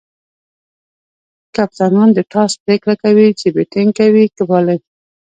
کپتانان د ټاس پرېکړه کوي، چي بيټینګ کوي؛ که بالینګ.